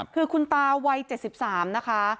คือคุณตาวัย๗๓นะคะ